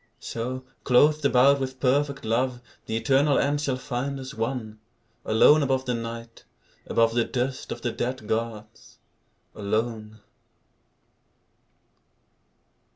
So, clothed about with perfect love, The eternal end shall find us one, Alone above the Night, above The dust of the dead gods, alone.